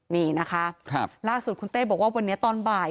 นี่นะคะล่าสุดคุณเต้บอกว่าวันนี้ตอนบ่าย